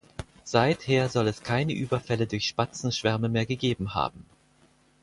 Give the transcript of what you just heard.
Seither soll es keine Überfälle durch Spatzenschwärme mehr gegeben haben.